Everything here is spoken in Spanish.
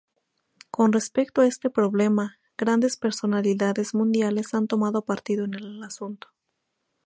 Con respecto a este problema, grandes personalidades mundiales han tomado partido en el asunto.